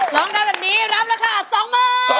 สองหมื่นบาทครับ